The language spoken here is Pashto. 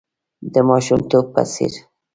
د ماشومتوب په څېر .